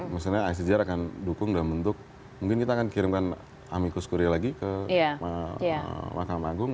misalnya icjr akan dukung dalam bentuk mungkin kita akan kirimkan amicus kuria lagi ke mahkamah agung